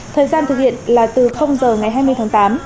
thời gian thực hiện là từ giờ ngày hai mươi tháng tám